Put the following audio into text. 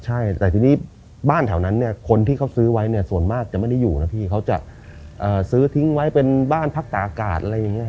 ใช่แต่ทีนี้บ้านแถวนั้นเนี่ยคนที่เขาซื้อไว้เนี่ยส่วนมากจะไม่ได้อยู่นะพี่เขาจะซื้อทิ้งไว้เป็นบ้านพักตาอากาศอะไรอย่างนี้